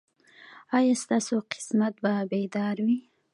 ایا ستاسو قسمت به بیدار وي؟